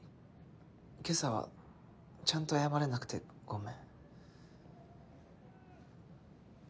今朝はちゃんと謝れなくてごめん。